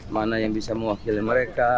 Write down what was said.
mana yang bisa mewakili mereka